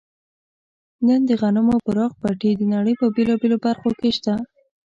نن د غنمو پراخ پټي د نړۍ په بېلابېلو برخو کې شته.